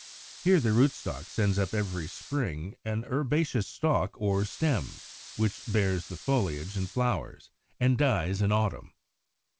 Here the rootstock sends up every spring an herbaceous stalk or stem, which bears the foliage and flowers, and dies in autumn.